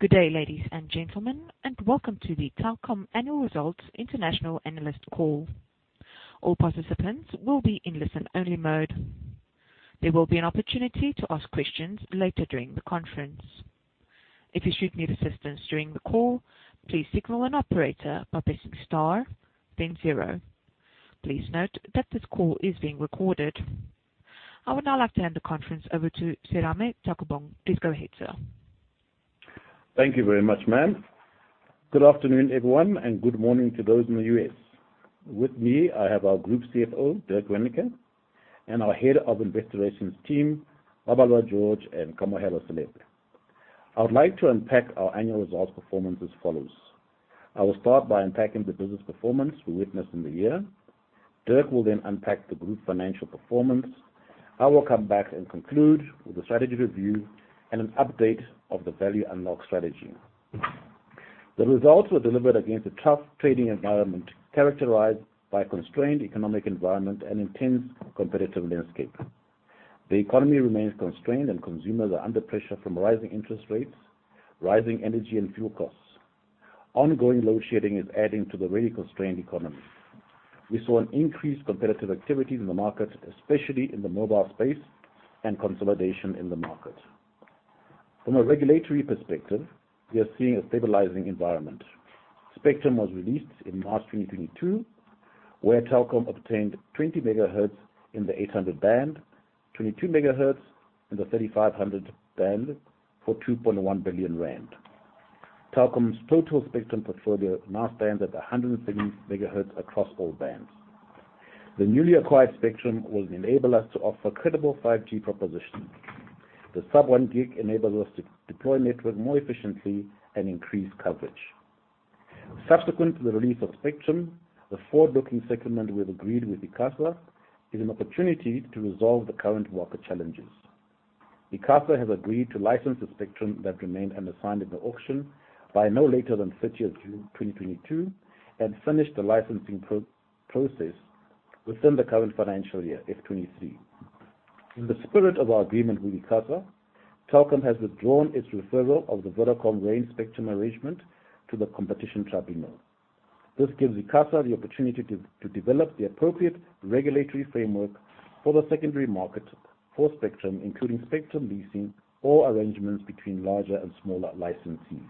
Good day, ladies and gentlemen, and welcome to the Telkom Annual Results International Analyst Call. All participants will be in listen-only mode. There will be an opportunity to ask questions later during the conference. If you should need assistance during the call, please signal an operator by pressing star then zero. Please note that this call is being recorded. I would now like to hand the conference over to Serame Taukobong. Please go ahead, sir. Thank you very much, ma'am. Good afternoon, everyone, and good morning to those in the U.S. With me, I have our Group CFO, Dirk Reyneke, and our Head of Investor Relations Team, Babalwa George and Kamohelo Selete. I would like to unpack our annual results performance as follows. I will start by unpacking the business performance we witnessed in the year. Dirk will then unpack the group financial performance. I will come back and conclude with a strategy review and an update of the value unlock strategy. The results were delivered against a tough trading environment characterized by constrained economic environment and intense competitive landscape. The economy remains constrained, and consumers are under pressure from rising interest rates, rising energy and fuel costs. Ongoing load shedding is adding to the really constrained economy. We saw an increased competitive activity in the market, especially in the mobile space, and consolidation in the market. From a regulatory perspective, we are seeing a stabilizing environment. Spectrum was released in March 2022, where Telkom obtained 20 MHz in the 800 band, 22 MHz in the 3,500 band for 2.1 billion rand. Telkom's total spectrum portfolio now stands at 170 MHz across all bands. The newly acquired spectrum will enable us to offer credible 5G propositions. The sub-one gig enables us to deploy network more efficiently and increase coverage. Subsequent to the release of spectrum, the forward-looking settlement we have agreed with ICASA is an opportunity to resolve the current WOAN challenges. ICASA has agreed to license the spectrum that remained unassigned in the auction by no later than 30 June 2022 and finish the licensing process within the current financial year, FY23. In the spirit of our agreement with ICASA, Telkom has withdrawn its referral of the Vodacom Rain spectrum arrangement to the Competition Tribunal. This gives ICASA the opportunity to develop the appropriate regulatory framework for the secondary market for spectrum, including spectrum leasing or arrangements between larger and smaller licensees.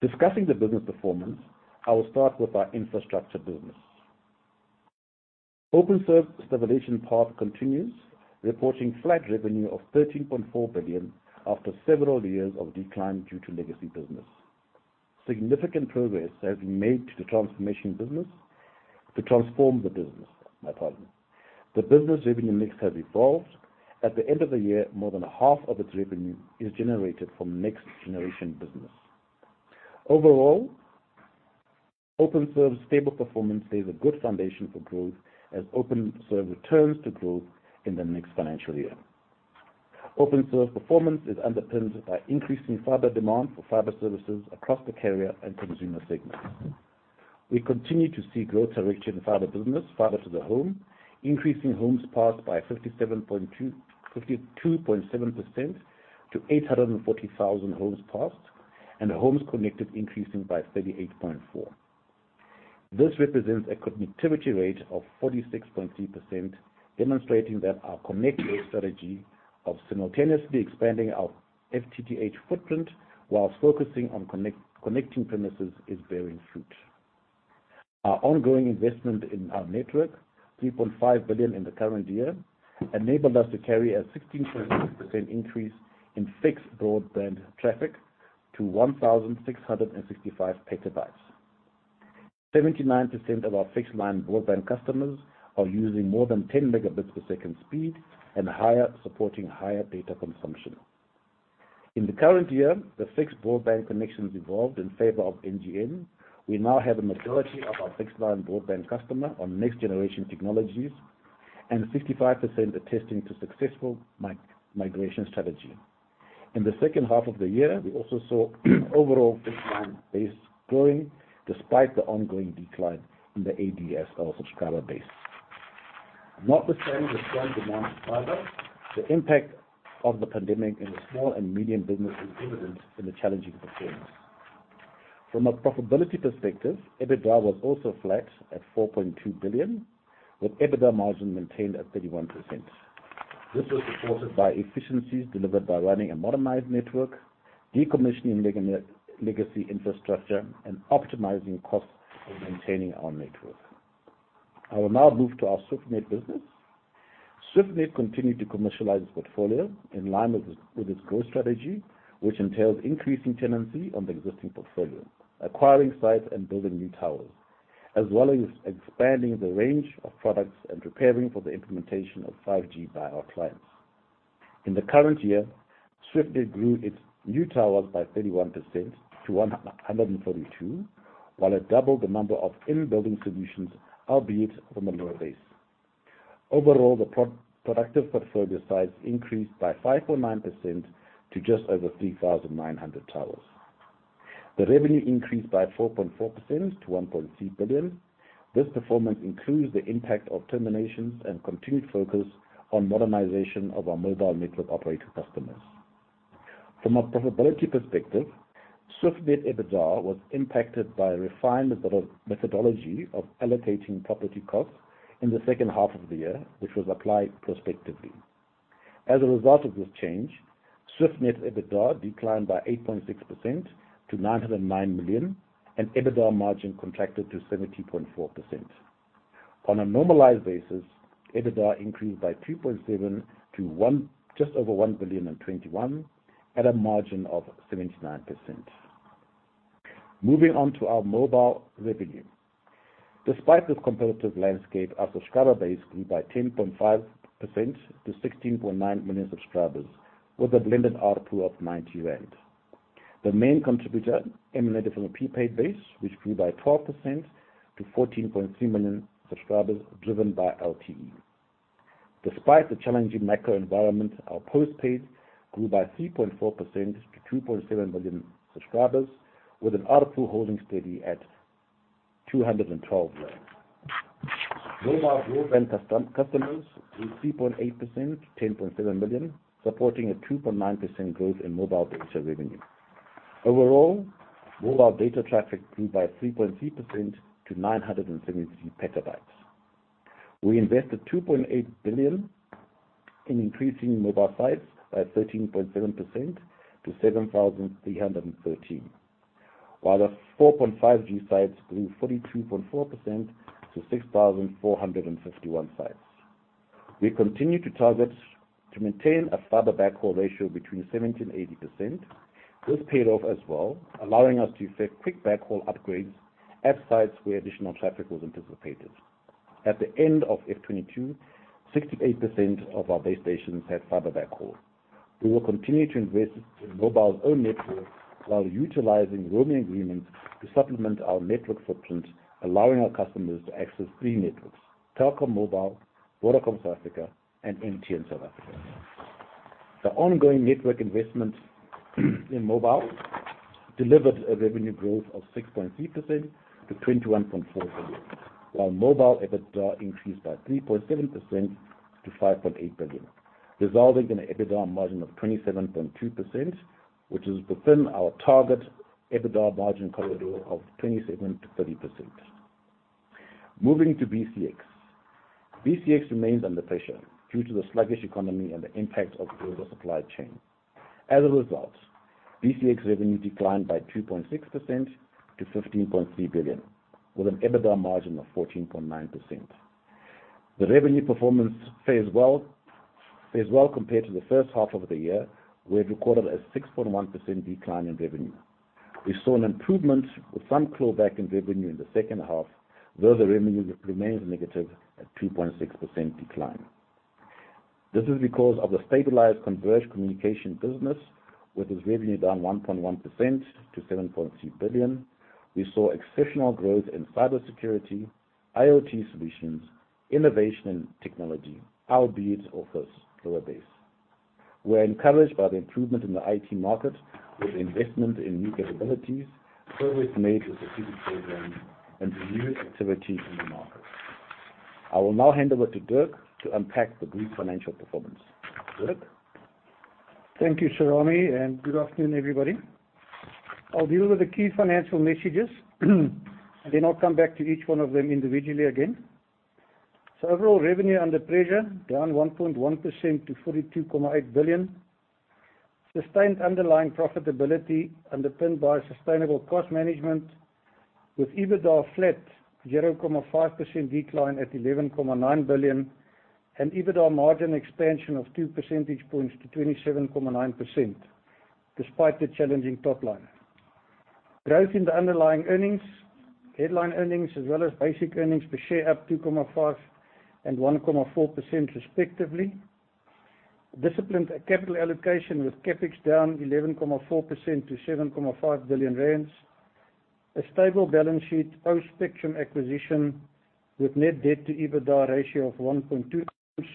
Discussing the business performance, I will start with our infrastructure business. Openserve stabilization path continues, reporting flat revenue of 13.4 billion after several years of decline due to legacy business. Significant progress has been made to transform the business. The business revenue mix has evolved. At the end of the year, more than half of its revenue is generated from next generation business. Overall, Openserve's stable performance leaves a good foundation for growth as Openserve returns to growth in the next financial year. Openserve performance is underpinned by increasing fiber demand for fiber services across the carrier and consumer segments. We continue to see growth direction in fiber business, fiber to the home, increasing homes passed by 52.7% to 840,000 homes passed, and homes connected increasing by 38.4%. This represents a connectivity rate of 46.3%, demonstrating that our connect strategy of simultaneously expanding our FTTH footprint while focusing on connecting premises is bearing fruit. Our ongoing investment in our network, 3.5 billion in the current year, enabled us to carry a 16% increase in fixed broadband traffic to 1,665 PB. 79% of our fixed line broadband customers are using more than 10 Mbps speed and higher, supporting higher data consumption. In the current year, the fixed broadband connections evolved in favor of NGN. We now have a majority of our fixed line broadband customer on next generation technologies, and 55% attesting to successful migration strategy. In the second half of the year, we also saw overall fixed line base growing despite the ongoing decline in the ADSL subscriber base. Notwithstanding the strong demand for fiber, the impact of the pandemic in the small and medium business is evident in the challenging performance. From a profitability perspective, EBITDA was also flat at 4.2 billion, with EBITDA margin maintained at 31%. This was supported by efficiencies delivered by running a modernized network, decommissioning legacy infrastructure, and optimizing costs for maintaining our network. I will now move to our SwiftNet business. SwiftNet continued to commercialize its portfolio in line with its growth strategy, which entails increasing tenancy on the existing portfolio, acquiring sites, and building new towers, as well as expanding the range of products and preparing for the implementation of 5G by our clients. In the current year, SwiftNet grew its new towers by 31% to 142, while it doubled the number of in-building solutions, albeit from a lower base. Overall, the productive portfolio size increased by 5.9% to just over 3,900 towers. The revenue increased by 4.4% to 1.3 billion. This performance includes the impact of terminations and continued focus on modernization of our mobile network operator customers. From a profitability perspective, SwiftNet EBITDA was impacted by a refined methodology of allocating property costs in the second half of the year, which was applied prospectively. As a result of this change, SwiftNet EBITDA declined by 8.6% to 909 million, and EBITDA margin contracted to 70.4%. On a normalized basis, EBITDA increased by 2.7% to just over 1.021 billion at a margin of 79%. Moving on to our mobile revenue. Despite this competitive landscape, our subscriber base grew by 10.5% to 16.9 million subscribers with a blended ARPU of 90 rand. The main contributor emanated from a prepaid base, which grew by 12% to 14.3 million subscribers driven by LTE. Despite the challenging macro environment, our post-paid grew by 3.4% to 2.7 million subscribers with an ARPU holding steady at 212 rand. Mobile growth and customers grew 3.8%, 10.7 million, supporting a 2.9% growth in mobile data revenue. Overall, mobile data traffic grew by 3.3% to 973 PB. We invested 2.8 billion in increasing mobile sites by 13.7% to 7,313, while the 4.5G sites grew 42.4% to 6,451 sites. We continue to target to maintain a fiber backhaul ratio between 70% and 80%. This paid off as well, allowing us to effect quick backhaul upgrades at sites where additional traffic was anticipated. At the end of F22, 68% of our base stations had fiber backhaul. We will continue to invest in mobile's own network while utilizing roaming agreements to supplement our network footprint, allowing our customers to access three networks: Telkom Mobile, Vodacom South Africa, and MTN South Africa. The ongoing network investment in mobile delivered a revenue growth of 6.3% to 21.4 billion, while mobile EBITDA increased by 3.7% to 5.8 billion, resulting in an EBITDA margin of 27.2%, which is within our target EBITDA margin corridor of 27%-30%. Moving to BCX. BCX remains under pressure due to the sluggish economy and the impact of global supply chain. As a result, BCX revenue declined by 2.6% to 15.3 billion, with an EBITDA margin of 14.9%. The revenue performance fares well compared to the first half of the year, where it recorded a 6.1% decline in revenue. We saw an improvement with some clawback in revenue in the second half, though the revenue remains negative at 2.6% decline. This is because of the stabilized converged communication business, with its revenue down 1.1% to 7.3 billion. We saw exceptional growth in cybersecurity, IoT solutions, innovation, and technology, albeit off a lower base. We're encouraged by the improvement in the IT market with investment in new capabilities, progress made with the CPQ program, and the new activity in the market. I will now hand over to Dirk to unpack the group financial performance. Dirk? Thank you, Serame, and good afternoon, everybody. I'll deal with the key financial messages, and then I'll come back to each one of them individually again. Overall revenue under pressure, down 1.1% to 42.8 billion. Sustained underlying profitability underpinned by sustainable cost management with EBITDA flat 0.5% decline at 11.9 billion and EBITDA margin expansion of two percentage points to 27.9% despite the challenging top line. Growth in the underlying earnings, headline earnings, as well as basic earnings per share up 2.5% and 1.4% respectively. Disciplined capital allocation with CapEx down 11.4% to 7.5 billion rand. A stable balance sheet post-Spectrum acquisition with net debt to EBITDA ratio of 1.2 times.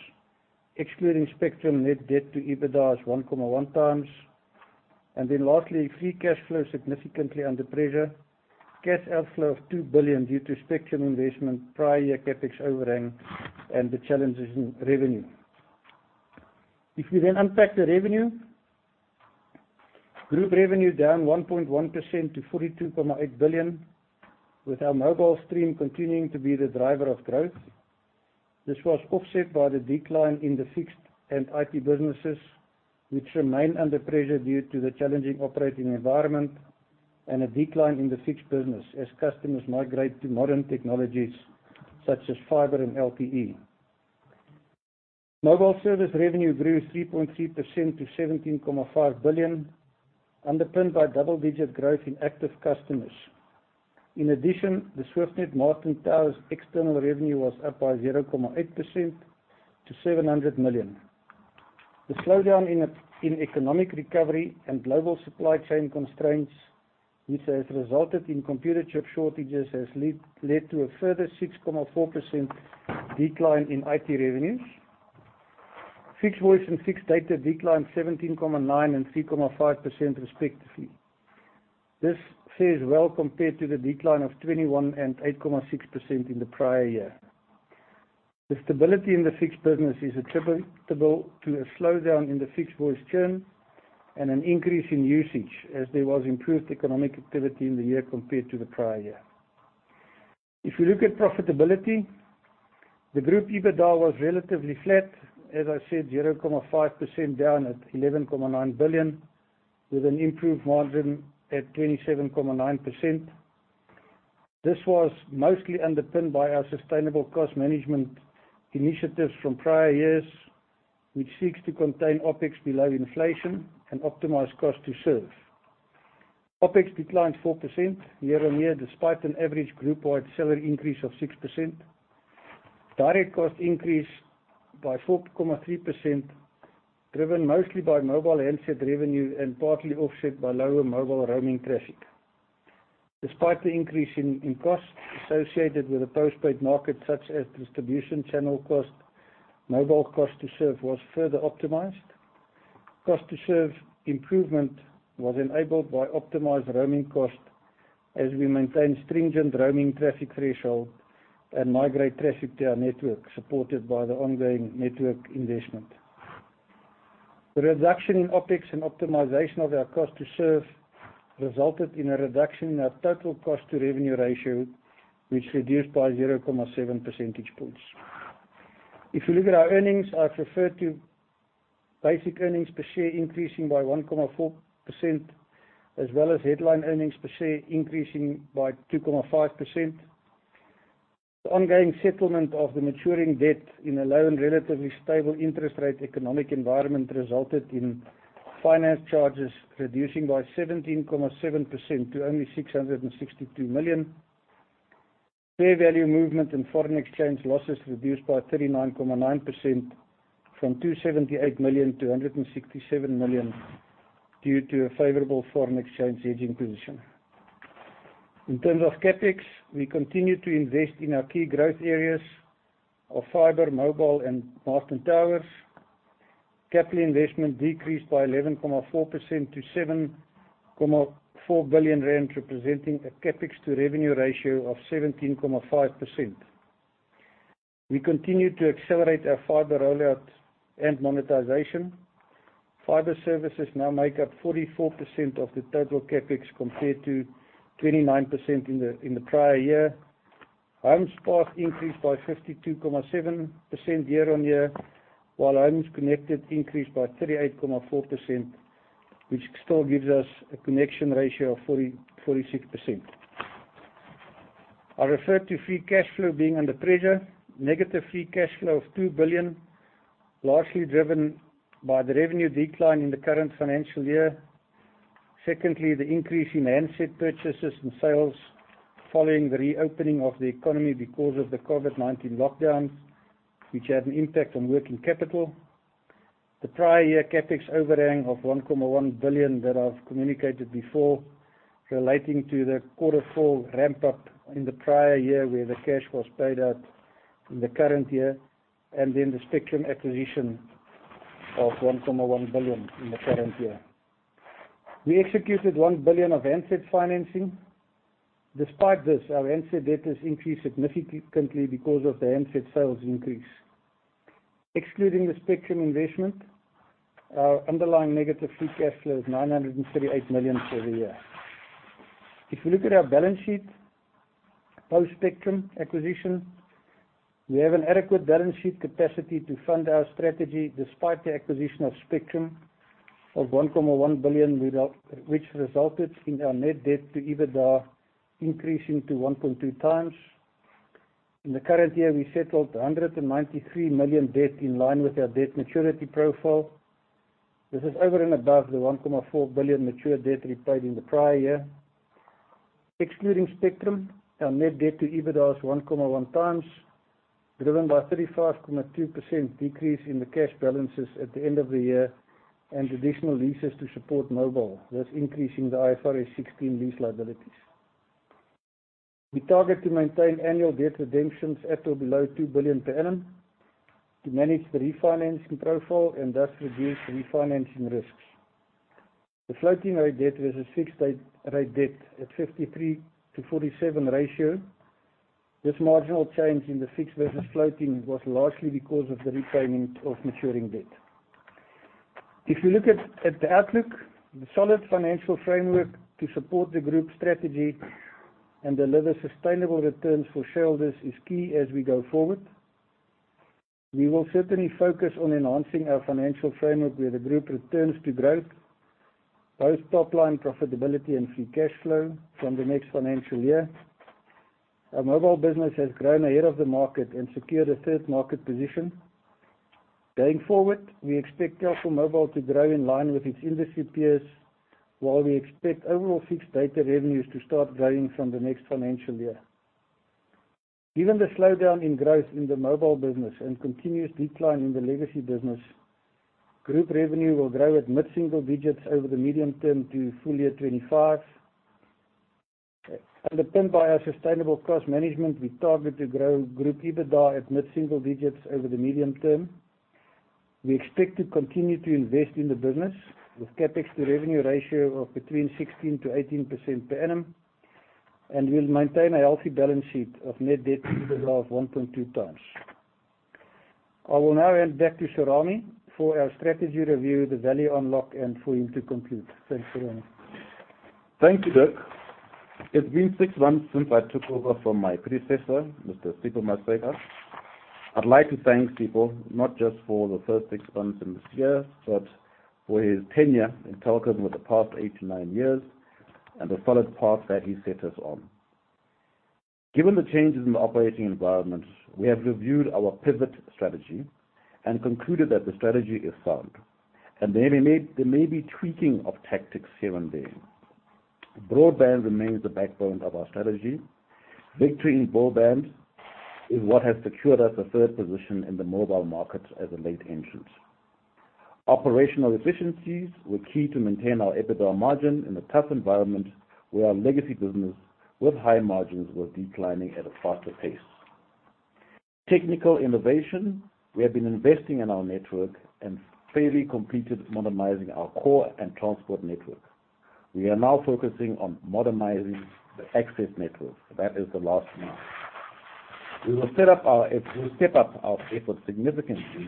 Excluding Spectrum net debt to EBITDA is 1.1 times. Lastly, free cash flow significantly under pressure. Cash outflow of 2 billion due to spectrum investment, prior year CapEx overhang, and the challenges in revenue. If we then unpack the revenue, group revenue down 1.1% to 42.8 billion, with our mobile stream continuing to be the driver of growth. This was offset by the decline in the fixed and IT businesses, which remain under pressure due to the challenging operating environment and a decline in the fixed business as customers migrate to modern technologies such as fiber and LTE. Mobile service revenue grew 3.3% to 17.5 billion, underpinned by double-digit growth in active customers. In addition, the SwiftNet Towers external revenue was up by 0.8% to 700 million. The slowdown in economic recovery and global supply chain constraints which has resulted in computer chip shortages has led to a further 6.4% decline in IT revenues. Fixed voice and fixed data declined 17.9% and 3.5% respectively. This stacks up well compared to the decline of 21% and 8.6% in the prior year. The stability in the fixed business is attributable to a slowdown in the fixed voice churn and an increase in usage as there was improved economic activity in the year compared to the prior year. If you look at profitability, the group EBITDA was relatively flat, as I said, 0.5% down at 11.9 billion, with an improved margin at 27.9%. This was mostly underpinned by our sustainable cost management initiatives from prior years, which seeks to contain OpEx below inflation and optimize cost to serve. OpEx declined 4% year-on-year, despite an average group-wide salary increase of 6%. Direct costs increased by 4.3%, driven mostly by mobile handset revenue and partly offset by lower mobile roaming traffic. Despite the increase in costs associated with the postpaid market, such as distribution channel cost, mobile cost to serve was further optimized. Cost to serve improvement was enabled by optimized roaming cost as we maintain stringent roaming traffic threshold and migrate traffic to our network, supported by the ongoing network investment. The reduction in OpEx and optimization of our cost to serve resulted in a reduction in our total cost to revenue ratio which reduced by 0.7 percentage points. If you look at our earnings, I've referred to basic earnings per share increasing by 1.4%, as well as headline earnings per share increasing by 2.5%. The ongoing settlement of the maturing debt in a low and relatively stable interest rate economic environment resulted in finance charges reducing by 17.7% to only 662 million. Fair value movement and foreign exchange losses reduced by 39.9% from 278 million to 167 million due to a favorable foreign exchange hedging position. In terms of CapEx, we continue to invest in our key growth areas of fiber, mobile, and mast and towers. Capital investment decreased by 11.4% to 7.4 billion rand, representing a CapEx to revenue ratio of 17.5%. We continue to accelerate our fiber rollout and monetization. Fiber services now make up 44% of the total CapEx, compared to 29% in the prior year. Homes spots increased by 52.7% year-on-year, while homes connected increased by 38.4%, which still gives us a connection ratio of 46%. I referred to free cash flow being under pressure. Negative free cash flow of 2 billion, largely driven by the revenue decline in the current financial year. Secondly, the increase in handset purchases and sales following the reopening of the economy because of the COVID-19 lockdowns, which had an impact on working capital. The prior year CapEx overhang of 1.1 billion that I've communicated before, relating to the quarter four ramp up in the prior year, where the cash was paid out in the current year, and then the spectrum acquisition of 1.1 billion in the current year. We executed 1 billion of handset financing. Despite this, our handset debt has increased significantly because of the handset sales increase. Excluding the spectrum investment, our underlying negative free cash flow is 938 million for the year. If you look at our balance sheet, post-spectrum acquisition, we have an adequate balance sheet capacity to fund our strategy despite the acquisition of spectrum of 1.1 billion, which resulted in our net debt to EBITDA increasing to 1.2 times. In the current year, we settled 193 million debt in line with our debt maturity profile. This is over and above the 1.4 billion mature debt repaid in the prior year. Excluding spectrum, our net debt to EBITDA is 1.1 times, driven by a 35.2% decrease in the cash balances at the end of the year and additional leases to support mobile, thus increasing the IFRS 16 lease liabilities. We target to maintain annual debt redemptions at or below 2 billion per annum to manage the refinancing profile and thus reduce refinancing risks. The floating-rate debt versus fixed-rate debt at 53-47 ratio. This marginal change in the fixed versus floating was largely because of the repayment of maturing debt. If you look at the outlook, the solid financial framework to support the group's strategy and deliver sustainable returns for shareholders is key as we go forward. We will certainly focus on enhancing our financial framework where the group returns to growth, both top-line profitability and free cash flow from the next financial year. Our mobile business has grown ahead of the market and secured a third market position. Going forward, we expect Telkom Mobile to grow in line with its industry peers, while we expect overall fixed data revenues to start growing from the next financial year. Given the slowdown in growth in the mobile business and continuous decline in the legacy business, group revenue will grow at mid-single digits over the medium term to full year 2025. Underpinned by our sustainable cost management, we target to grow group EBITDA at mid-single digits over the medium term. We expect to continue to invest in the business with CapEx to revenue ratio of between 16%-18% per annum, and we'll maintain a healthy balance sheet of net debt to EBITDA of 1.2x. I will now hand back to Serame for our strategy review, the value unlock and for him to conclude. Thanks, Serame. Thank you, Dirk. It's been six months since I took over from my predecessor, Mr. Sipho Maseko. I'd like to thank Sipho not just for the first six months in this year, but for his tenure in Telkom over the past 89 years and the solid path that he set us on. Given the changes in the operating environment, we have reviewed our pivot strategy and concluded that the strategy is sound and there may be tweaking of tactics here and there. Broadband remains the backbone of our strategy. Victory in broadband is what has secured us a third position in the mobile market as a late entrant. Operational efficiencies were key to maintain our EBITDA margin in a tough environment where our legacy business with high margins were declining at a faster pace. Technical innovation, we have been investing in our network and fully completed modernizing our core and transport network. We are now focusing on modernizing the access network. That is the last mile. We will step up our efforts significantly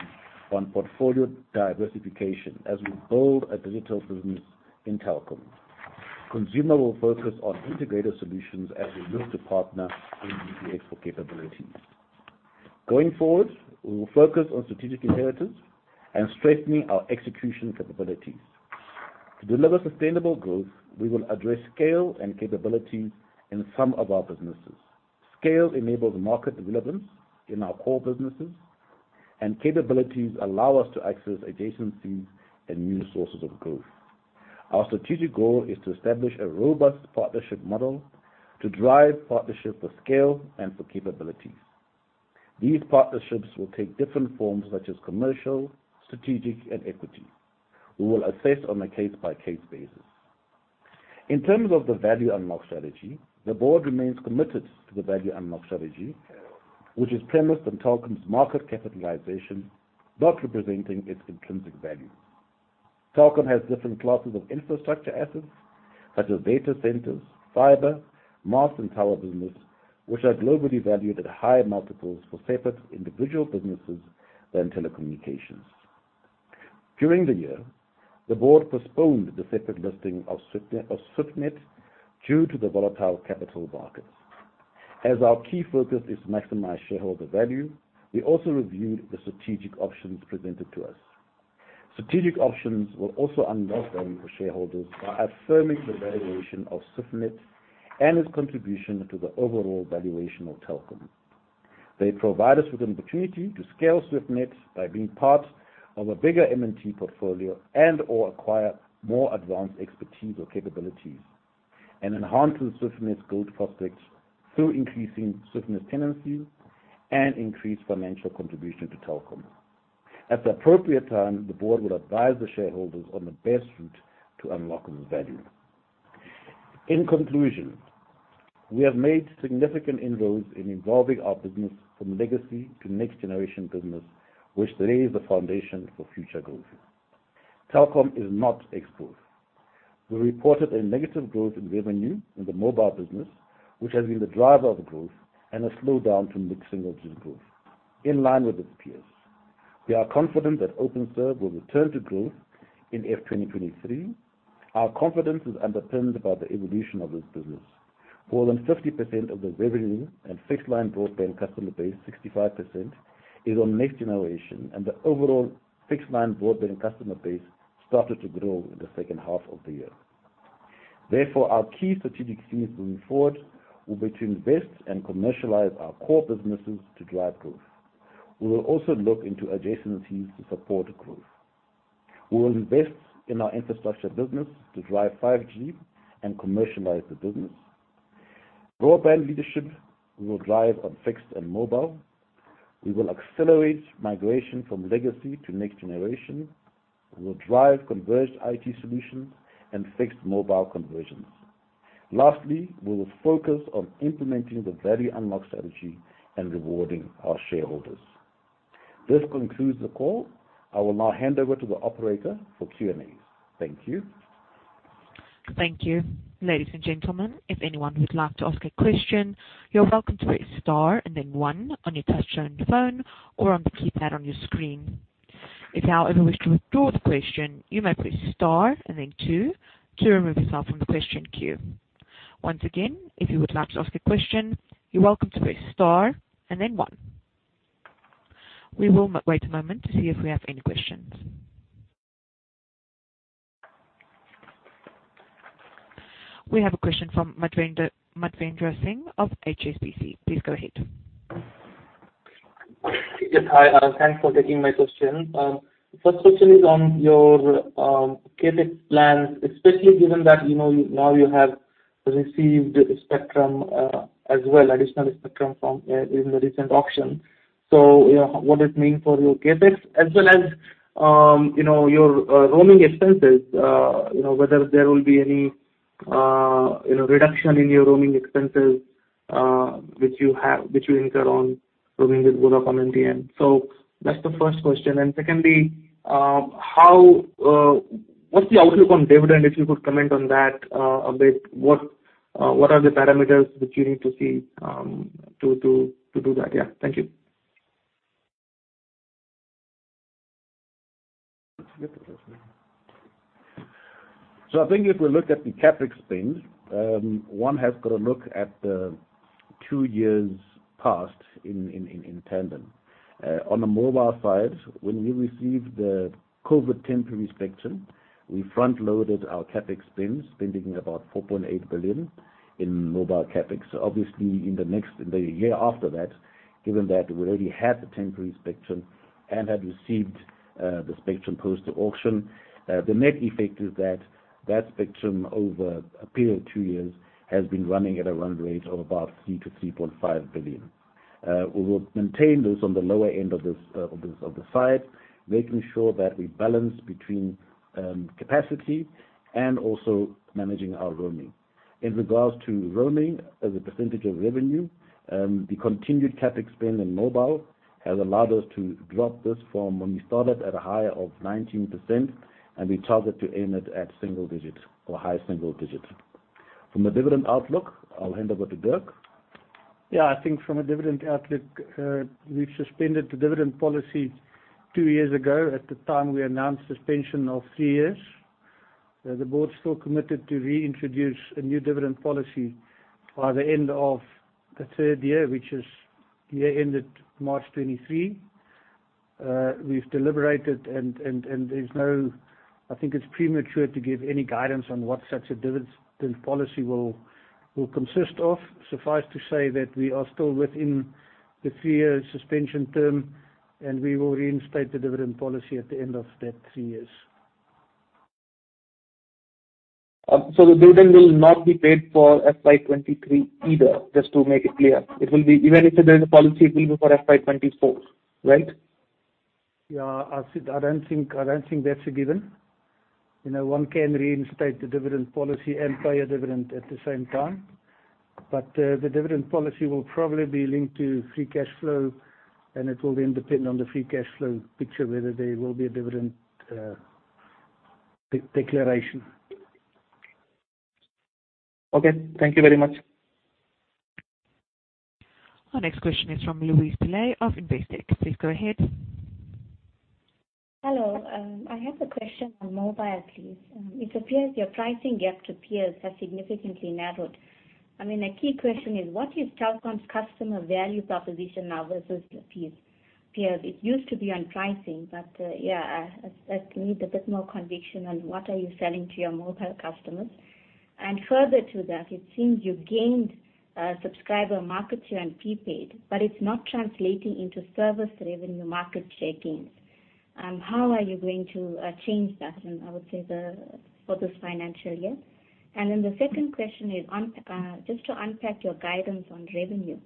on portfolio diversification as we build a digital business in Telkom. Consumer will focus on integrated solutions as we look to partner in B2X for capabilities. Going forward, we will focus on strategic imperatives and strengthening our execution capabilities. To deliver sustainable growth, we will address scale and capabilities in some of our businesses. Scale enables market relevance in our core businesses and capabilities allow us to access adjacencies and new sources of growth. Our strategic goal is to establish a robust partnership model to drive partnership for scale and for capabilities. These partnerships will take different forms such as commercial, strategic, and equity. We will assess on a case-by-case basis. In terms of the value unlock strategy, the board remains committed to the value unlock strategy which is premised on Telkom's market capitalization, not representing its intrinsic value. Telkom has different classes of infrastructure assets such as data centers, fiber, mast and tower business, which are globally valued at higher multiples for separate individual businesses than telecommunications. During the year, the board postponed the separate listing of SwiftNet due to the volatile capital markets. As our key focus is to maximize shareholder value, we also reviewed the strategic options presented to us. Strategic options will also unlock value for shareholders by affirming the valuation of SwiftNet and its contribution to the overall valuation of Telkom. They provide us with an opportunity to scale SwiftNet by being part of a bigger mast & tower portfolio and or acquire more advanced expertise or capabilities and enhance SwiftNet's growth prospects through increasing SwiftNet's tenancies and increase financial contribution to Telkom. At the appropriate time, the board will advise the shareholders on the best route to unlocking the value. In conclusion, we have made significant inroads in evolving our business from legacy to next generation business, which lays the foundation for future growth. Telkom is not exposed. We reported a negative growth in revenue in the mobile business, which has been the driver of growth and a slowdown to mid-single digit growth in line with its peers. We are confident that Openserve will return to growth in FY 2023. Our confidence is underpinned by the evolution of this business. More than 50% of the revenue and fixed line broadband customer base, 65%, is on next generation, and the overall fixed line broadband customer base started to grow in the second half of the year. Therefore, our key strategic themes moving forward will be to invest and commercialize our core businesses to drive growth. We will also look into adjacencies to support growth. We will invest in our infrastructure business to drive 5G and commercialize the business. Broadband leadership, we will drive on fixed and mobile. We will accelerate migration from legacy to next generation. We will drive converged IT solutions and fixed mobile conversions. Lastly, we will focus on implementing the value unlock strategy and rewarding our shareholders. This concludes the call. I will now hand over to the operator for Q&As. Thank you. Thank you. Ladies and gentlemen, if anyone would like to ask a question, you're welcome to press star and then one on your touchtone phone or on the keypad on your screen. If you, however, wish to withdraw the question, you may press star and then two to remove yourself from the question queue. Once again, if you would like to ask a question, you're welcome to press star and then one. We will wait a moment to see if we have any questions. We have a question from Madhvendra Singh of HSBC. Please go ahead. Yes. Hi. Thanks for taking my question. First question is on your CapEx plans, especially given that, you know, now you have received spectrum, as well, additional spectrum from the recent auction. You know, what does it mean for your CapEx? As well as, you know, your roaming expenses, you know, whether there will be any reduction in your roaming expenses. Which you incur on roaming with Vodacom MTN. That's the first question. Secondly, how, what's the outlook on dividend? If you could comment on that, a bit. What are the parameters which you need to see, to do that? Yeah. Thank you. I think if we look at the CapEx spend, one has got to look at the two years past in tandem. On the mobile side, when we received the COVID temporary spectrum, we front loaded our CapEx spend, spending about 4.8 billion in mobile CapEx. Obviously in the next, the year after that, given that we already had the temporary spectrum and had received the spectrum post the auction, the net effect is that that spectrum over a period of two years has been running at a run rate of about 3-3.5 billion. We will maintain this on the lower end of this side, making sure that we balance between capacity and also managing our roaming. In regards to roaming as a percentage of revenue, the continued CapEx spend in mobile has allowed us to drop this from when we started at a high of 19% and we target to aim it at single digit or high single digit. From a dividend outlook, I'll hand over to Dirk. Yeah, I think from a dividend outlook, we've suspended the dividend policy two years ago. At the time, we announced suspension of three years. The board still committed to reintroduce a new dividend policy by the end of the third year, which is year ended March 2023. We've deliberated and I think it's premature to give any guidance on what such a dividend policy will consist of. Suffice to say that we are still within the three-year suspension term, and we will reinstate the dividend policy at the end of that three years. The dividend will not be paid for FY23 either, just to make it clear. It will be, even if there is a policy, it will be for FY24, right? Yeah, I see. I don't think that's a given. You know, one can reinstate the dividend policy and pay a dividend at the same time. The dividend policy will probably be linked to free cash flow and it will then depend on the free cash flow picture whether there will be a dividend declaration. Okay, thank you very much. Our next question is from Louise Pillay of Investec. Please go ahead. Hello. I have a question on mobile, please. It appears your pricing gap to peers has significantly narrowed. I mean, the key question is, what is Telkom's customer value proposition now versus the peers? It used to be on pricing, but yeah, I need a bit more conviction on what are you selling to your mobile customers. Further to that, it seems you gained subscriber market share on prepaid but it's not translating into service revenue market share gains. How are you going to change that in, I would say, for this financial year? The second question is on just to unpack your guidance on revenue,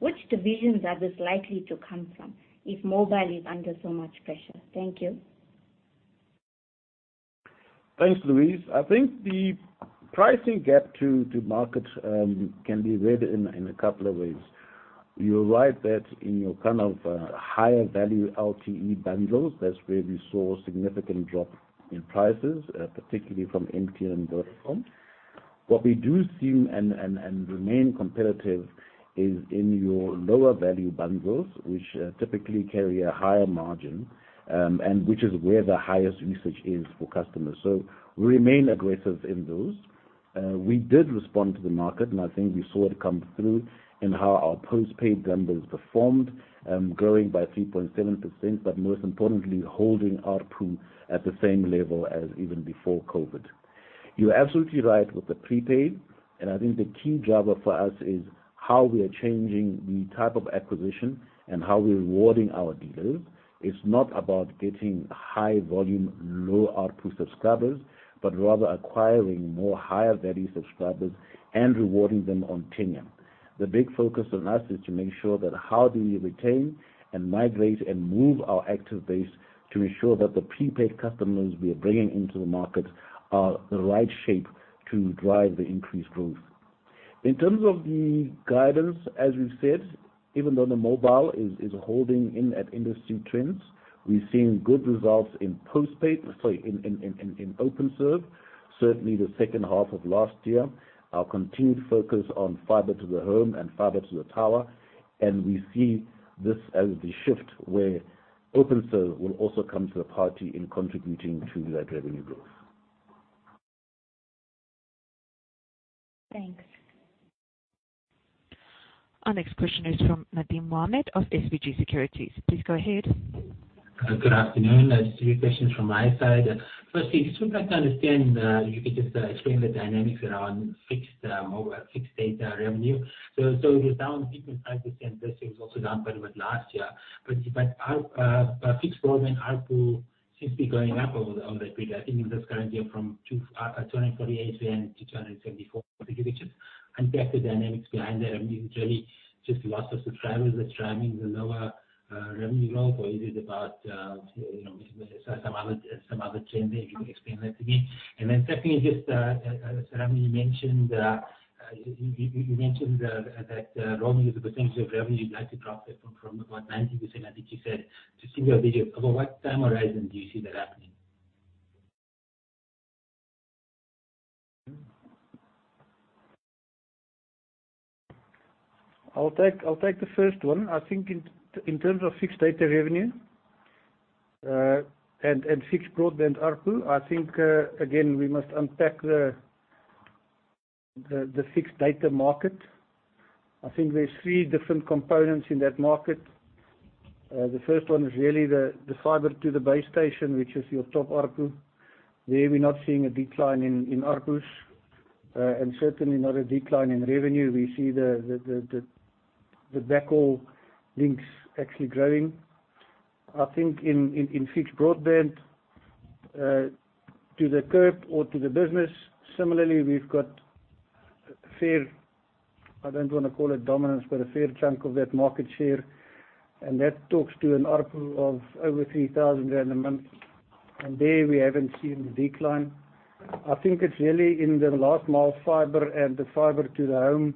which divisions are this likely to come from if mobile is under so much pressure? Thank you. Thanks, Louise. I think the pricing gap to market can be read in a couple of ways. You're right that in your kind of higher value LTE bundles, that's where we saw a significant drop in prices, particularly from MTN and Vodacom. What we do seem and remain competitive is in your lower value bundles which typically carry a higher margin and which is where the highest usage is for customers. We remain aggressive in those. We did respond to the market and I think we saw it come through in how our postpaid bundles performed, growing by 3.7% but most importantly, holding ARPU at the same level as even before COVID. You're absolutely right with the prepaid and I think the key driver for us is how we are changing the type of acquisition and how we're rewarding our dealers. It's not about getting high volume, low ARPU subscribers, but rather acquiring more higher value subscribers and rewarding them on tenure. The big focus on us is to make sure that how do we retain and migrate and move our active base to ensure that the prepaid customers we are bringing into the market are the right shape to drive the increased growth. In terms of the guidance, as we've said, even though the mobile is holding in at industry trends, we've seen good results in postpaid, sorry, in Openserve. Certainly the second half of last year, our continued focus on fiber to the home and fiber to the tower and we see this as the shift where Openserve will also come to the party in contributing to that revenue growth. Thanks. Our next question is from Nadim Mohamed of SBG Securities. Please go ahead. Good afternoon. Just three questions from my side. Firstly, just would like to understand, you could just explain the dynamics around fixed mobile, fixed data revenue. So it was down 50% this year. It was also down quite a bit last year. But our fixed rolling ARPU seems to be going up over that period. I think in this current year from 248 million to 274. Unpack the dynamics behind that. I mean, is it really just loss of subscribers that's driving the lower revenue growth, or is it about, you know, some other trend there? If you could explain that to me. Secondly, just, sir, I mean, you mentioned that roaming as a percentage of revenue, you'd like to drop it from about 90%, I think you said, to single-digit. Over what time horizon do you see that happening? I'll take the first one. I think in terms of fixed data revenue and fixed broadband ARPU, I think again we must unpack the fixed data market. I think there's three different components in that market. The first one is really the fiber to the base station, which is your top ARPU. There, we're not seeing a decline in ARPUs and certainly not a decline in revenue. We see the backhaul links actually growing. I think in fixed broadband to the curb or to the business, similarly, we've got, I don't wanna call it dominance, but a fair chunk of that market share and that talks to an ARPU of over 3,000 rand a month. There, we haven't seen the decline. I think it's really in the last mile fiber and the fiber to the home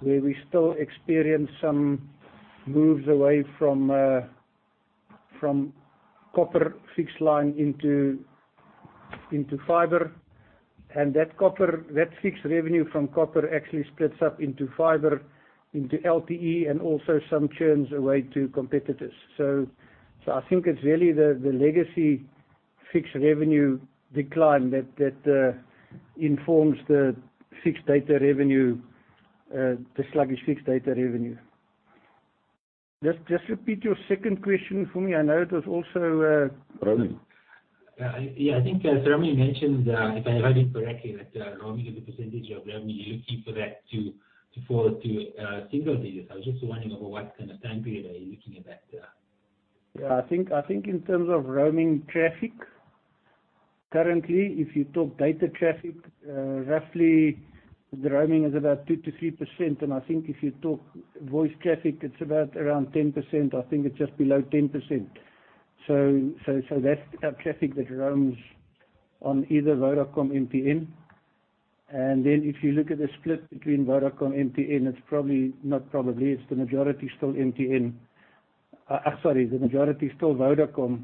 where we still experience some moves away from copper fixed line into fiber. That copper fixed revenue from copper actually splits up into fiber, into LTE and also some churns away to competitors. I think it's really the legacy fixed revenue decline that informs the fixed data revenue, the sluggish fixed data revenue. Just repeat your second question for me. I know it was also. Roaming. Yeah, I think as Serame mentioned, if I heard him correctly, that roaming as a percentage of revenue, you're looking for that to fall to single digits. I was just wondering over what kind of time period are you looking at that. Yeah. I think in terms of roaming traffic, currently, if you talk data traffic, roughly the roaming is about 2%-3%, and I think if you talk voice traffic, it's about around 10%. I think it's just below 10%. That's our traffic that roams on either Vodacom, MTN. If you look at the split between Vodacom, MTN, it's the majority still Vodacom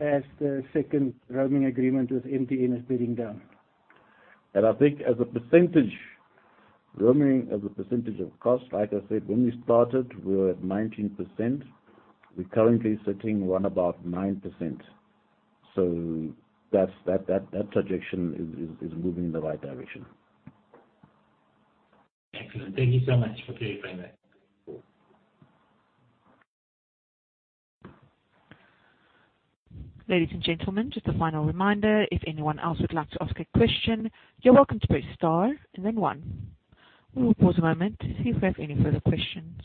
as the second roaming agreement with MTN is bedding down. I think as a percentage, roaming as a percentage of cost, like I said, when we started, we were at 19%. We're currently sitting around about 9%. That trajectory is moving in the right direction. Excellent. Thank you so much for clarifying that. Ladies and gentlemen, just a final reminder, if anyone else would like to ask a question, you're welcome to press star and then one. We'll pause a moment, see if we have any further questions.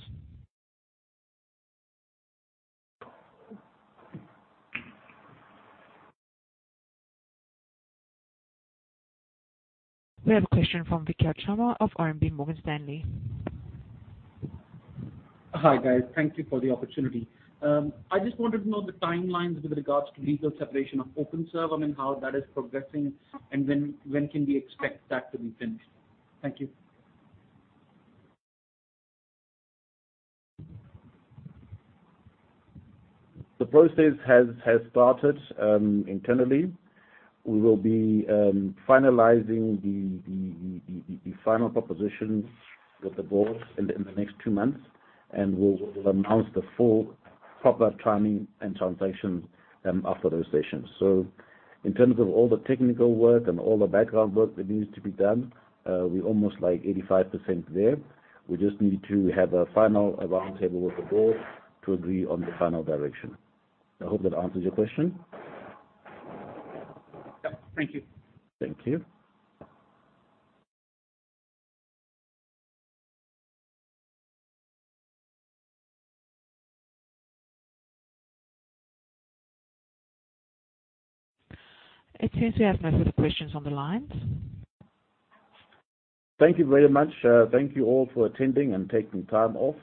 We have a question from Vikhyat Sharma of RMB Morgan Stanley. Hi, guys. Thank you for the opportunity. I just wanted to know the timelines with regards to legal separation of Openserve. I mean, how that is progressing and when can we expect that to be finished? Thank you. The process has started internally. We will be finalizing the final proposition with the board in the next two months, and we'll announce the full proper timing and transaction after those sessions. In terms of all the technical work and all the background work that needs to be done, we're almost like 85% there. We just need to have a final round table with the board to agree on the final direction. I hope that answers your question. Yeah. Thank you. Thank you. It seems we have no further questions on the line. Thank you very much. Thank you all for attending and taking time off.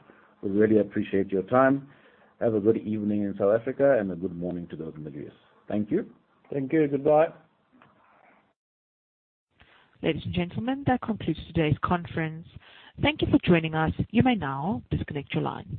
We really appreciate your time. Have a good evening in South Africa and a good morning to those in the U.S. Thank you. Thank you. Goodbye. Ladies and gentlemen, that concludes today's conference. Thank you for joining us. You may now disconnect your lines.